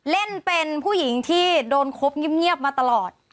เล่นเป็นผู้หญิงที่โดนคบเงียบมาตลอด